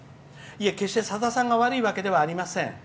決してさださんが悪いわけではありません。